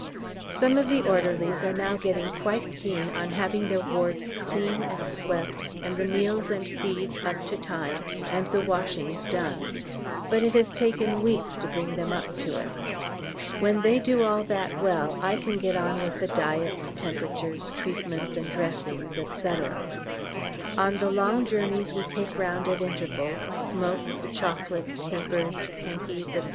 Some of the orderlies are now getting quite keen on having their wards clean and swept, and the meals and feeds up to time, and the washings done, but it has taken weeks to bring them up to it. When they do all that well I can get on with the diets, temperatures, treatments, and dressings, &c. On the long journeys we take round at intervals smokes, chocolate, papers, hankies, &c.